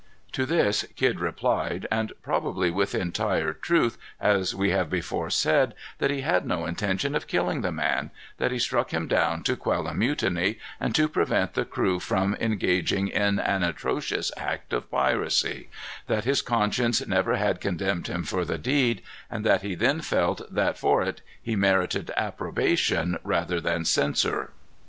To this Kidd replied, and probably with entire truth, as we have before said, that he had no intention of killing the man; that he struck him down to quell a mutiny, and to prevent the crew from engaging in an atrocious act of piracy; that his conscience never had condemned him for the deed, and that he then felt that for it he merited approbation rather than censure.